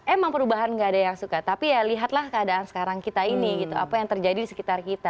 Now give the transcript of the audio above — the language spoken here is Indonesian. emang perubahan gak ada yang suka tapi ya lihatlah keadaan sekarang kita ini gitu apa yang terjadi di sekitar kita